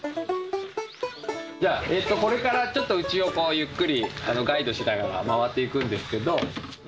じゃあ、これからちょっとうちをゆっくりガイドしながら回っていくんですけど。